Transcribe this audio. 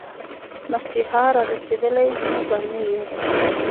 مسيحا را رسېدلی، موږه نه يو